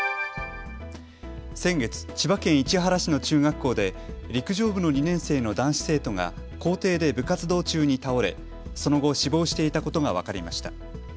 先月、千葉県市原市の中学校で陸上部の２年生の男子生徒が校庭で部活動中に倒れその後、死亡していたことが分かりました。